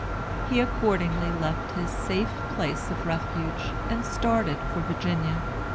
He accordingly left his safe place of refuge, and started for Virginia.